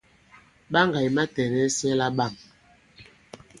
Ɓaŋgà ì matɛ̀nɛs nyɛ laɓâm.